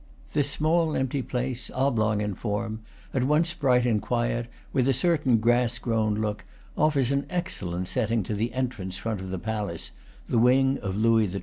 This small, empty place, oblong in form, at once bright and quiet, with a cer tain grass grown look, offers an excellent setting to the entrance front of the palace, the wing of Louis XII.